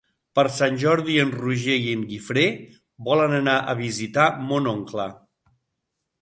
Per Sant Jordi en Roger i en Guifré volen anar a visitar mon oncle.